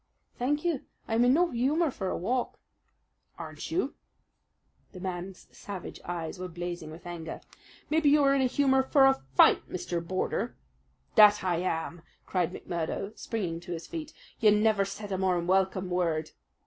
"Thank you, I am in no humour for a walk." "Aren't you?" The man's savage eyes were blazing with anger. "Maybe you are in a humour for a fight, Mr. Boarder!" "That I am!" cried McMurdo, springing to his feet. "You never said a more welcome word."